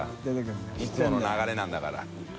いつもの流れなんだから。